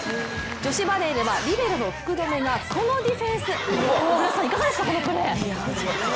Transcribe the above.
女子バレーではリベロの福留がこのディフェンス、いかがですかこのプレー。